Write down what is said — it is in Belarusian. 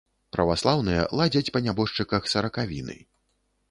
Праваслаўныя ладзяць па нябожчыках саракавіны.